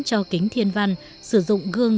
cho kính thiên văn sử dụng gương